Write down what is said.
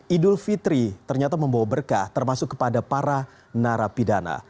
idul fitri ternyata membawa berkah termasuk kepada para narapidana